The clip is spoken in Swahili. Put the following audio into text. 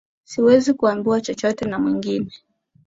Siwezi kuambiwa chochote na mwingine